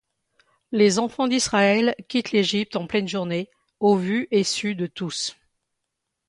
Les enfants d’Israël quittent l’Égypte en pleine journée, au vu et su de tous.